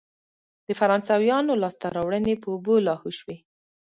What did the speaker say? د فرانسویانو لاسته راوړنې په اوبو لاهو شوې.